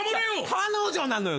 彼女なのよ